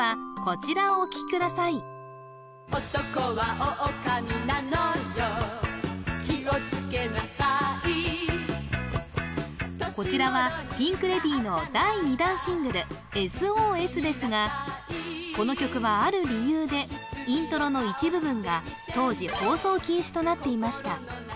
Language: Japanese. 気をつけなさいこちらはピンク・レディーの第２弾シングル「Ｓ・Ｏ・Ｓ」ですがこの曲はある理由でイントロの一部分が当時放送禁止となっていました